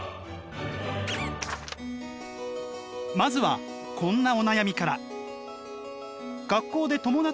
まずはこんなお悩みから。